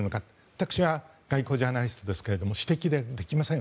私は外交ジャーナリストですけれども指摘できません。